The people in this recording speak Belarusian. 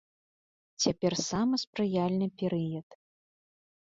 Цяпер самы спрыяльны перыяд.